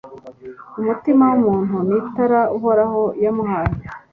umutima w'umuntu ni itara uhoraho yamuhaye